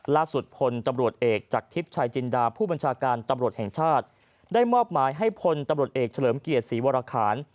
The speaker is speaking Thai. พลตำรวจเอกจากทิพย์ชายจินดาผู้บัญชาการตำรวจแห่งชาติได้มอบหมายให้พลตำรวจเอกเฉลิมเกียรติศรีวรคาร